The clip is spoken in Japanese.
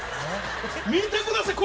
見てください